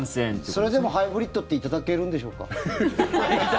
それでもハイブリッドと言っていただけるのでしょうか。